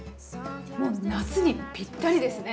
もう夏にぴったりですね。